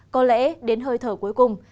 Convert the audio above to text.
có lẽ đến hơi thở cuối cùng